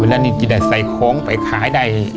เวลานี่ที่จะใส่ของไปขายได้